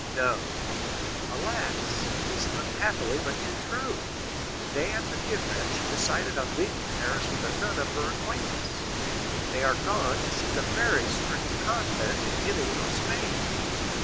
"No." "Alas, it is unhappily but too true. The day after the event, she decided on leaving Paris with a nun of her acquaintance; they are gone to seek a very strict convent in Italy or Spain."